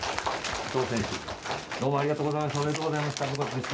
伊藤選手、どうもありがとうございました。